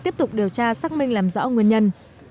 tiếp tục điều tra xác minh làm rõ nguyên nhân